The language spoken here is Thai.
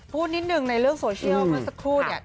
พูดนิดนึงในเรื่องโซเชียลเมื่อสักครู่เนี่ย